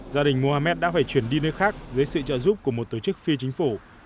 gia đình mohammed đã phải chuyển đi nơi khác dưới sự trợ giúp của một tổ chức phi chính phủ